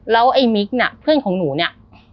แล้วไอ้มิกน่ะเพื่อนของหนูเนี่ย